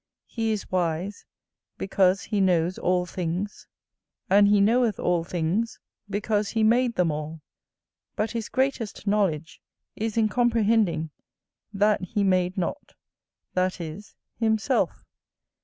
He is wise, because he knows all things; and he knoweth all things, because he made them all: but his greatest knowledge is in comprehending that he made not, that is, himself.